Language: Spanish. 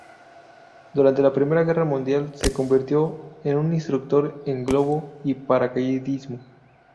Durante la Primera Guerra Mundial, se convirtió en un instructor en globo y paracaidismo.